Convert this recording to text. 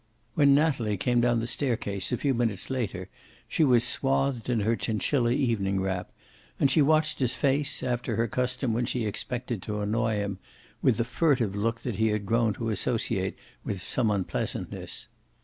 When Natalie came down the staircase a few minutes later she was swathed in her chinchilla evening wrap, and she watched his face, after her custom when she expected to annoy him, with the furtive look that he had grown to associate with some unpleasantness.